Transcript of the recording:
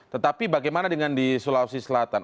tetapi bagaimana dengan di sulawesi selatan